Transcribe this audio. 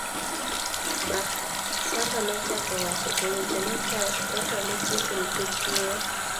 ba.. Samba nochako wacho, to weche notame tieko nikech muya